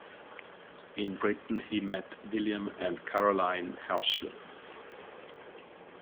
In Britain he met William and Caroline Herschel.